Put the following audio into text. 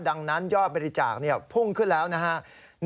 ดังนั้นยอดบริจาคพุ่งขึ้นแล้วนะครับ